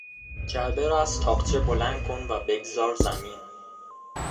جعبه را از تاقچه بلند کن و بگذار زمین.